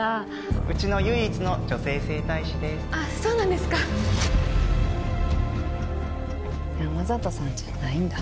うちの唯一の女性整体師ですあっそうなんですか山里さんじゃないんだ。